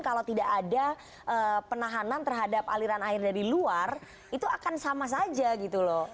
kalau tidak ada penahanan terhadap aliran air dari luar itu akan sama saja gitu loh